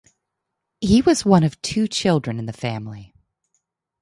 He was one of two children in the family.